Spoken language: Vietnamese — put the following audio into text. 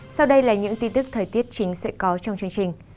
sau đây là những tin tức thời tiết chính sẽ có trong chương trình